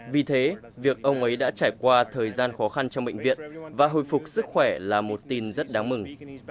vì thế việc ông ấy đã trải qua thời gian khó khăn trong bệnh viện và hồi phục sức khỏe là một tin rất đáng mừng